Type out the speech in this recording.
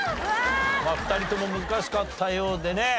まあ２人とも難しかったようでね。